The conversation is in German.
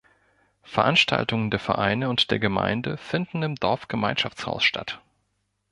Veranstaltungen der Vereine und der Gemeinde finden im Dorfgemeinschaftshaus statt.